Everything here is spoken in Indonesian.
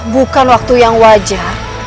bukan waktu yang wajar